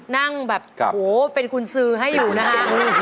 นั่งแบบโหเป็นคุณซื้อให้อยู่นะฮะ